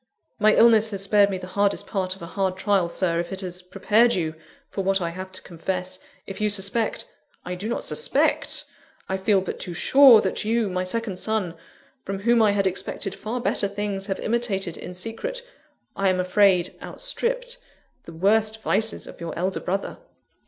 "My illness has spared me the hardest part of a hard trial, Sir, if it has prepared you for what I have to confess; if you suspect " "I do not suspect I feel but too sure, that you, my second son, from whom I had expected far better things, have imitated in secret I am afraid, outstripped the worst vices of your elder brother."